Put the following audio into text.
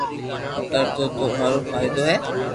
ڪري تو ٿو ھارو فائدو ھي